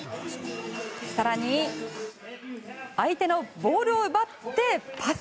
更に相手のボールを奪ってパス。